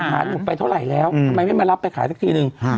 หลุดไปเท่าไหร่แล้วทำไมไม่มารับไปขายสักทีนึง